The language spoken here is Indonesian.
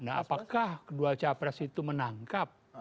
nah apakah kedua capres itu menangkap